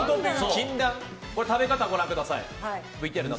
食べ方、ご覧ください。